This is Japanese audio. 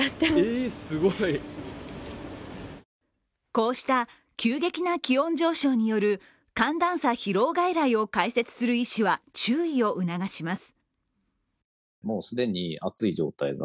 こうした急激な気温上昇による寒暖差疲労外来を開設する医師は注意を促します。